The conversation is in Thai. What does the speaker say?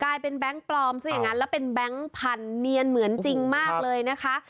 แบงค์ปลอมซะอย่างนั้นแล้วเป็นแบงค์พันเนียนเหมือนจริงมากเลยนะคะ